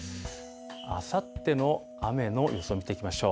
あさっての雨の予想を見ていきましょう。